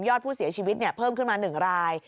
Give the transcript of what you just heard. อดผู้เสียชีวิตเพิ่มขึ้นมา๑ราย